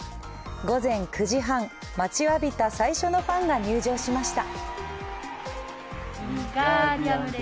午前９時半、待ちわびた最初のファンが入場しました。